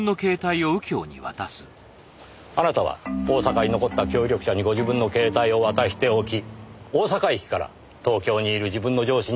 あなたは大阪に残った協力者にご自分の携帯を渡しておき大阪駅から東京にいる自分の上司に電話をかけさせる。